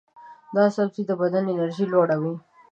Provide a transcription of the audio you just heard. دا سبزی د بدن انرژي لوړوي.